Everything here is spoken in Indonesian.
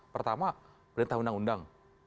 pertama perintah undang undang